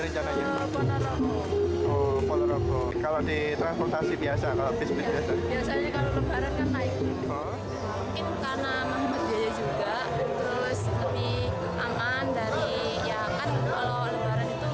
jadi ya untuk keselamatan juga